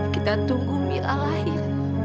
kita tunggu mira lahir